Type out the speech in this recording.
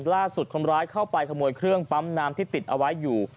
คนร้ายเข้าไปขโมยเครื่องปั๊มน้ำที่ติดเอาไว้อยู่